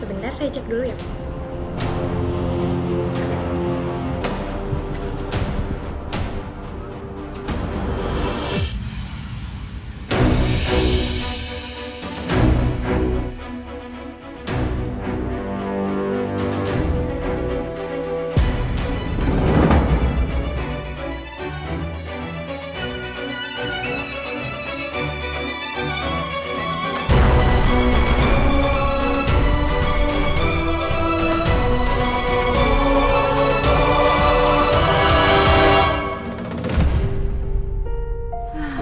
sebentar saya cek dulu ya pak